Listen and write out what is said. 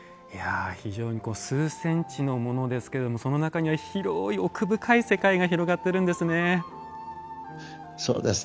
非常に数センチのものですけれどもその中には広い奥深い世界が広がってるんですね。